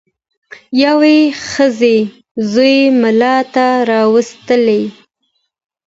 یوې ښځي زوی مُلا ته راوستلی